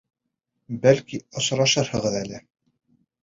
Бәлки, осрашырһығыҙ әле.